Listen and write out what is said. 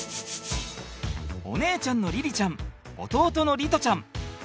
お姉ちゃんの凛々ちゃん弟の璃士ちゃん。